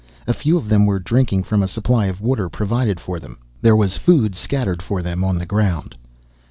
A few of them were drinking from a supply of water provided for them. There was food scattered for them on the ground.